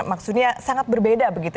maksudnya sangat berbeda begitu